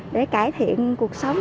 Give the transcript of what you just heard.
để cải thiện cuộc sống